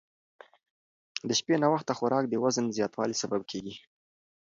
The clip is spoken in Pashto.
د شپې ناوخته خوراک د وزن زیاتوالي سبب کېږي.